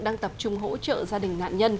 đang tập trung hỗ trợ gia đình nạn nhân